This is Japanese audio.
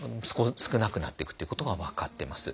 少なくなっていくっていうことが分かってます。